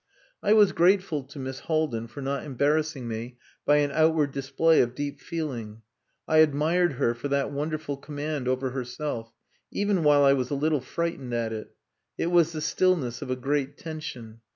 I was grateful to Miss Haldin for not embarrassing me by an outward display of deep feeling. I admired her for that wonderful command over herself, even while I was a little frightened at it. It was the stillness of a great tension.